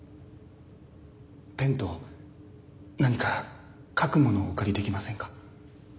ペンと何か書くものをお借りできませんか？